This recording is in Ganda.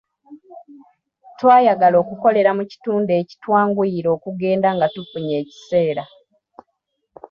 Twayagala okukolera mu kitundu ekitwanguyira okugenda nga tufunye ekiseera.